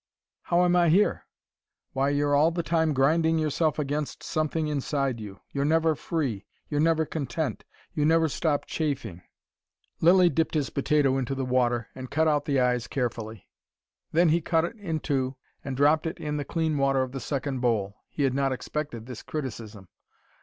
"How am I here?" "Why, you're all the time grinding yourself against something inside you. You're never free. You're never content. You never stop chafing." Lilly dipped his potato into the water, and cut out the eyes carefully. Then he cut it in two, and dropped it in the clean water of the second bowl. He had not expected this criticism.